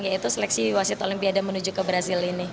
yaitu seleksi wasit olimpiade menuju ke brazil ini